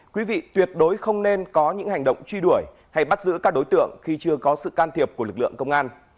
quý vị tuyệt đối không nên có những hành động truy đuổi hay bắt giữ các đối tượng khi chưa có sự can thiệp của lực lượng công an